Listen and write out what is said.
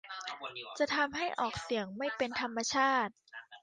จะทำให้ออกเสียงไม่เป็นธรรมชาติ